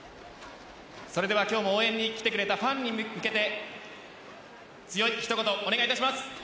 それでは今日も応援に来てくれたファンに向けて強い一言お願いします。